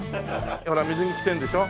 ほら水着着てるでしょ。